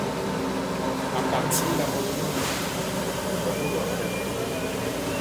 Akambi i lambɔ binɔn, ɓɛ ɓorɔɔ te.